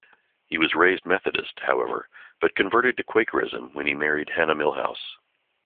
He was raised Methodist, however, but converted to Quakerism when he married Hannah Milhous.